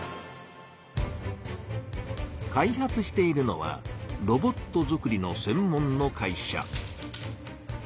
開発しているのはロボットづくりの専門の会社。